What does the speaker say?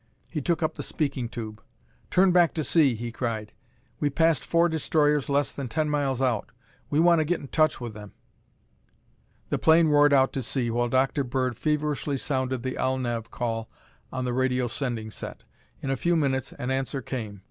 He took up the speaking tube. "Turn back to sea!" he cried. "We passed four destroyers less than ten miles out. We want to get in touch with them." The plane roared out to sea while Dr. Bird feverishly sounded the "Alnav" call on the radio sending set. In a few minutes an answer came.